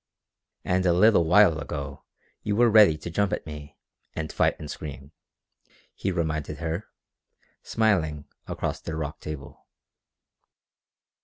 "And a little while ago you were ready to jump at me, and fight and scream!" he reminded her, smiling across their rock table.